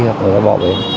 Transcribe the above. hoặc là người ta bỏ bến